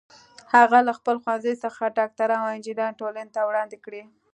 هغه له خپل ښوونځي څخه ډاکټران او انجینران ټولنې ته وړاندې کړي